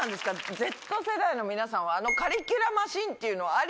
Ｚ世代の皆さんは、あのカリキュラマシーンっていうのは、あり？